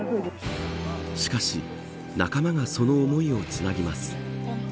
しかし、仲間がその思いをつなぎます。